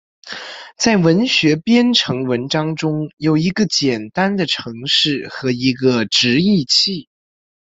在文学编程文章中有一个简单的程式和一个直译器。